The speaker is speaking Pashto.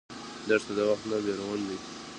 دښته د وخت نه بېرون ده.